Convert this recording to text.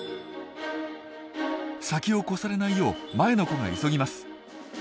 先を越されないよう前の子が急ぎます。